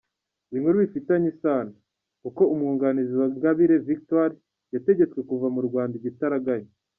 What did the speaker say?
Inkuru bifitanye isano: Uko ‘umwunganizi’ wa Ingabire Victoire yategetswe kuva mu Rwanda igitaraganya.